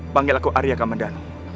panggil aku arya kamandano